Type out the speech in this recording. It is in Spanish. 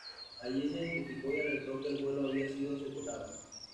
Allí se identificó y alertó que el vuelo había sido secuestrado.